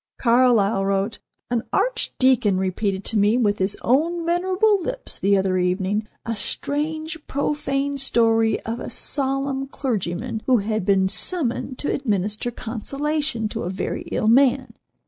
Carlyle wrote: "An archdeacon repeated to me, with his own venerable lips, the other evening, a strange, profane story of a solemn clergyman who had been summoned to administer consolation to a very ill man.